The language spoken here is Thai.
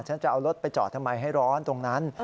ฉันจะเอารถไปจอดทำไมให้ร้อนตรงนั้น